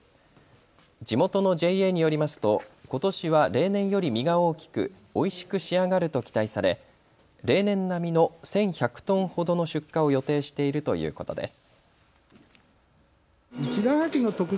地元のＪＡによりますとことしは例年より実が大きくおいしく仕上がると期待され例年並みの１１００トンほどの出荷を予定しているということです。